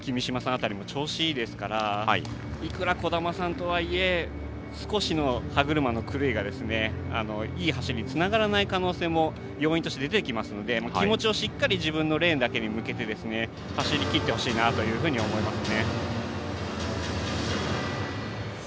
辺りも調子がいいですからいくら兒玉さんとはいえ少し歯車がいい走りにつながらない可能性も要因として出てきますので気持ちをしっかりと自分のレーンだけに向けて走りきってほしいなと思います。